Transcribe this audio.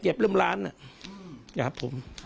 เจ็บร่ำร้านครับผม